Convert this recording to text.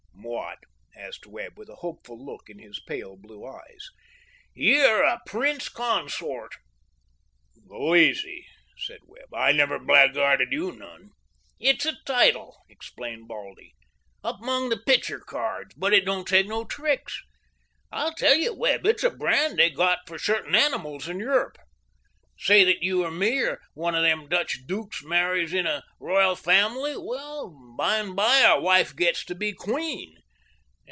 "What?" asked Webb, with a hopeful look in his pale blue eyes. "You're a prince consort." "Go easy," said Webb. "I never blackguarded you none." "It's a title," explained Baldy, "up among the picture cards; but it don't take no tricks. I'll tell you, Webb. It's a brand they're got for certain animals in Europe. Say that you or me or one of them Dutch dukes marries in a royal family. Well, by and by our wife gets to be queen.